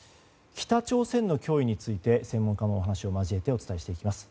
北朝鮮の脅威について専門家の話を交えてお伝えします。